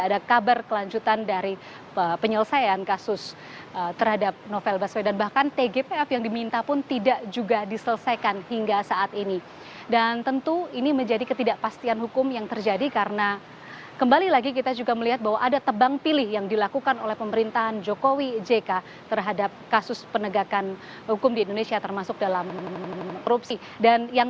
ada beberapa catatan yang kemudian dirangkum oleh south east asia